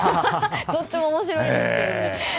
どっちも面白いですけどね。